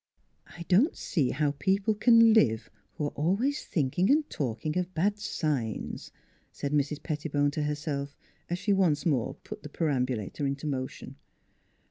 " I don't see how people can live who are al ways thinking and talking of bad signs'' said Mrs. Pettibone to herself, as she once more put the perambulator in motion.